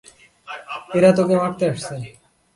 এরা তোকে মারতে আসছে।